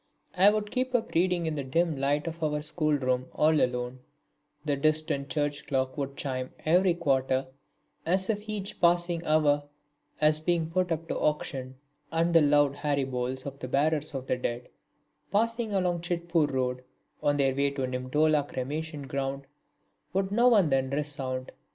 I would keep up reading in the dim light of our school room all alone; the distant church clock would chime every quarter as if each passing hour was being put up to auction; and the loud Haribols of the bearers of the dead, passing along Chitpore Road on their way to the Nimtollah cremation ground, would now and then resound.